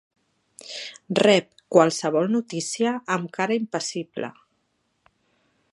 Rep qualsevol notícia amb cara impassible.